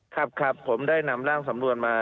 ครับครับผมได้นำร่างสำนวนมา